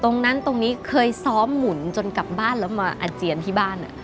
ตรงนี้เคยซ้อมหมุนจนกลับบ้านแล้วมาอาเจียนที่บ้าน